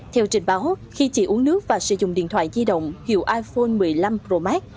theo trình báo khi chị uống nước và sử dụng điện thoại di động hiệu iphone một mươi năm pro max